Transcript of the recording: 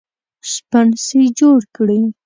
سپڼسي جوړ کړي